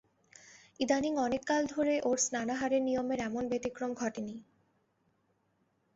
ইদানীং অনেক কাল ধরে ওর স্নানাহারের নিয়মের এমন ব্যতিক্রম ঘটে নি।